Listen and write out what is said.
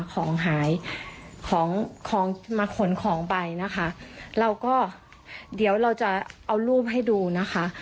ของหายของของมาขนของไปนะคะเราก็เดี๋ยวเราจะเอารูปให้ดูนะคะ